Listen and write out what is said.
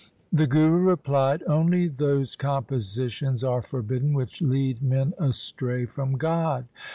The Guru replied, ' Only those compositions are forbidden which lead men astray from God.